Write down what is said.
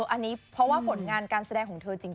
อันนี้เพราะว่าผลงานการแสดงของเธอจริง